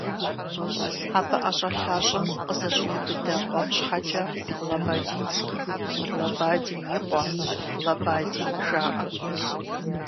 Абы ӀэщӀэлъа щӀым къызэщӀиубыдэ къуэм щхьэкӀэ «Лабадинский», «Лабадин и къуэ», «Лабадин» жаӀэ.